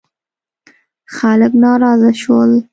خلک ناراضه شول.